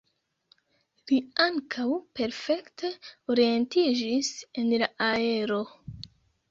Li ankaŭ perfekte orientiĝis en la aero.